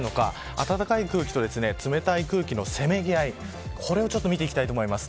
暖かい空気と冷たい空気のせめぎ合いこれを見ていきたいと思います。